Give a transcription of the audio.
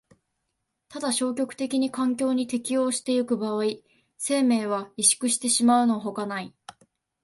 ただ消極的に環境に適応してゆく場合、生命は萎縮してしまうのほかない。